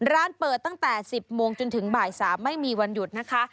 ร้านเปิดตั้งแต่๑๐โมงจนถึงบ่าย๓ไม่มีวันหยุดนะคะ